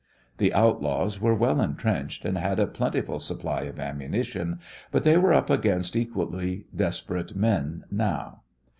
The outlaws were well entrenched, and had a plentiful supply of ammunition, but they were up against equally desperate men now.